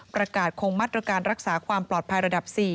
ประกาศคงมาตรการรักษาความปลอดภัยระดับ๔